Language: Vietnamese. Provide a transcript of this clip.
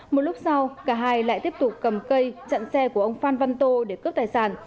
một lúc sau cả hai lại tiếp tục cầm cây chặn xe của ông phan văn tô để cướp tài sản